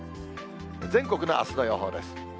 全国のあすの予報です。